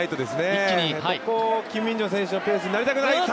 ここ、キム・ミンジョン選手のペースになりたくない。